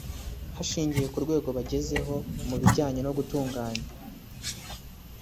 Hashingiwe ku rwego bagezeho mu bijyanye no gutunganya